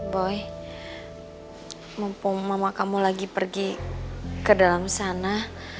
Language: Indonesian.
boy mumpung mama kamu lagi pergi ke dalam sana